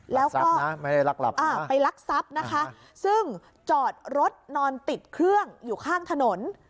แล้วก็ลักษัพนะไม่ได้ลักหลับอ่าไปลักษัพนะคะซึ่งจอดรถนอนติดเครื่องอยู่ข้างถนน